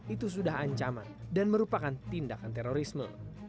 itu sudah ancaman dan merupakan tindakan terorisme